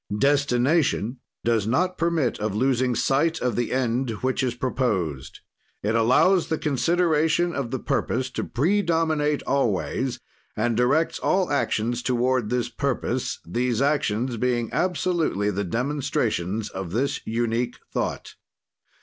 "Destination does not permit of losing sight of the end which is proposed. "It allows the consideration of the purpose to predominate always, and directs all actions toward this purpose, these actions being absolutely the demonstrations of this unique thought.